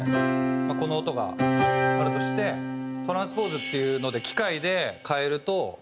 この音があるとしてトランスポーズっていうので機械で変えると。